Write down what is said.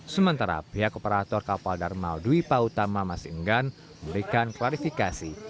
sementara pihak operator kapal darmaudwi pautama mas ingan memberikan klarifikasi